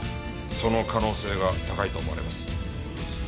その可能性が高いと思われます。